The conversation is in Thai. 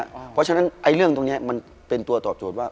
เพราะฉะนั้นเรื่องตรงนี้มันเป็นตัวตอบโจทย์ว่า